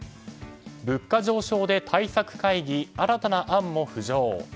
物価上昇で対策会議新たな案も浮上。